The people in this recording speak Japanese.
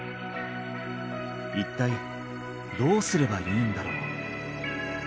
一体どうすればいいんだろう？